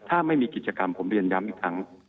ถ้าไม่มีกิจกรรมผมเรียนย้ำอีกครั้ง